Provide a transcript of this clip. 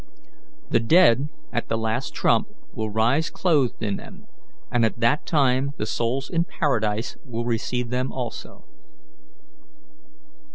The dead at the last trump will rise clothed in them, and at that time the souls in paradise will receive them also."